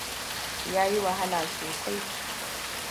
Ya yi wahala sosai.